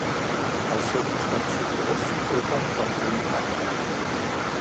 El seu costat sud-oest topa contra una tanca.